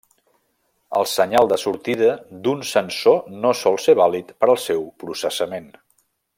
El senyal de sortida d'un sensor no sol ser vàlid per al seu processament.